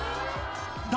「誰？